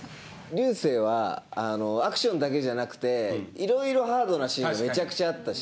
流星はアクションだけじゃなくていろいろハードなシーンがめちゃくちゃあったし。